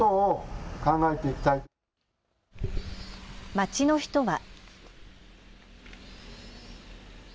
町の人は。